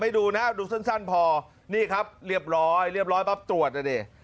อ่อไม่ดูนะดูสั้นพอนี่ครับเรียบร้อยเรียบร้อยป๊าบตรวจอ่ะเนี่ย